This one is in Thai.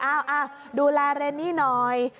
ดูแลเรนนี่หน่อย